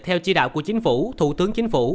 theo chỉ đạo của chính phủ thủ tướng chính phủ